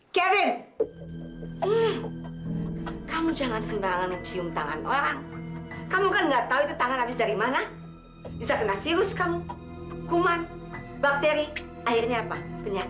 sampai jumpa di video selanjutnya